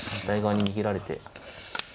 左側に逃げられて。